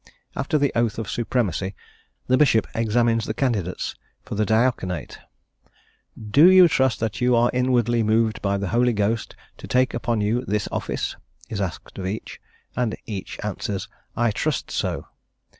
After the Oath of Supremacy, the bishop examines the candidates for the diaconate: "Do you trust that you are inwardly moved by the Holy Ghost to take upon you this office?" is asked of each, and each answers: "I trust so."